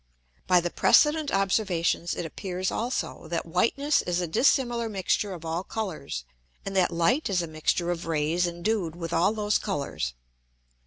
By the Precedent Observations it appears also, that whiteness is a dissimilar mixture of all Colours, and that Light is a mixture of Rays endued with all those Colours.